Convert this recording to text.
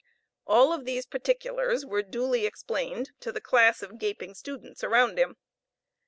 All of these particulars were duly explained to the class of gaping students around him.